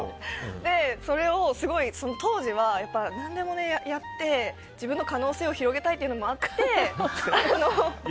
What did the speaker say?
それを当時は何でもやって自分の可能性を広げたいというのもあって。